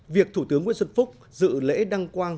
việc thủ tướng nguyễn xuân phúc dự lễ đăng quang